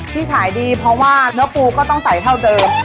ที่ขายดีเพราะว่าเนื้อปูก็ต้องใส่เท่าเดิม